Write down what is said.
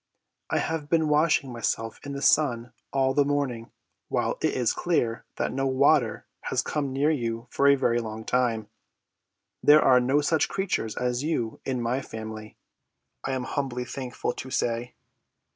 I have been washing myself in the sun all the morning, while it is clear that no water has come near you for a long time. There are no such creatures as you in my family, I am humbly thankful to say."